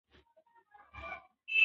او ځاى ځاى کې شعر، لنډۍ هم را وړي دي